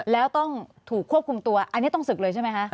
แล้วต้องถูกควบคุมตัวอันนี้ต้องศึกเลยใช่ไหมคะ